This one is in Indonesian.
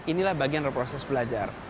inilah bagian dari proses belajar